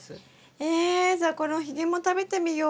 えじゃあこのひげも食べてみよう。